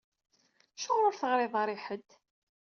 Acuɣeṛ ur teɣṛiḍ ara i ḥedd?